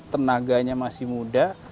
tenaganya masih muda